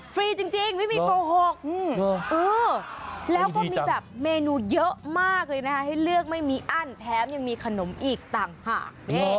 ฟรีจริงไม่มีโกหกแล้วก็มีแบบเมนูเยอะมากเลยนะคะให้เลือกไม่มีอั้นแถมยังมีขนมอีกต่างหาก